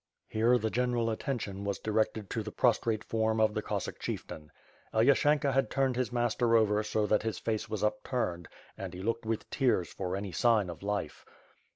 Here the general attention was directed to the prostrate form of the Cossack chieftain. Elyashenka had turned his master over so that his face was upturned; and he looked with tears for any sign of life.